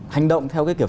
hành động theo cái kiểu